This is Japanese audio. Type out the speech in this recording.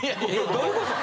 どういうこと？